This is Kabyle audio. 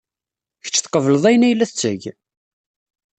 Kecc tqebled ayen ay la tetteg?